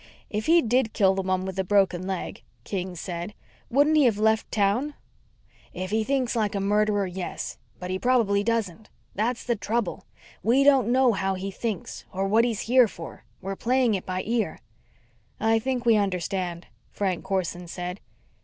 "If he did kill the one with the broken leg," King said, "wouldn't he have left town?" "If he thinks like a murderer, yes. But he probably doesn't. That's the trouble. We don't know how he thinks or what he's here for. We're playing it by ear." "I think we understand," Frank Corson said.